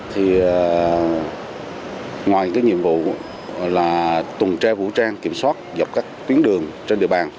thì ngoài cái nhiệm vụ là tuần tra vũ trang kiểm soát dọc các tuyến đường trên địa bàn